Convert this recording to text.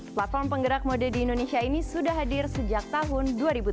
platform penggerak mode di indonesia ini sudah hadir sejak tahun dua ribu tujuh belas